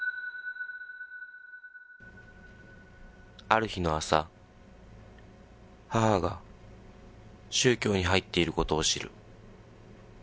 ある日の朝、母が宗教に入っていることを知る。